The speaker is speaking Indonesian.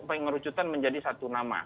pengerucutan menjadi satu nama